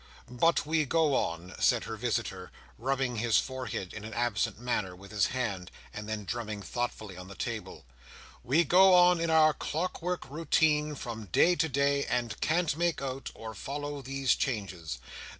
"But we go on," said her visitor, rubbing his forehead, in an absent manner, with his hand, and then drumming thoughtfully on the table, "we go on in our clockwork routine, from day to day, and can't make out, or follow, these changes.